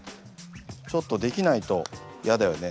ちょっとできないと嫌だよね。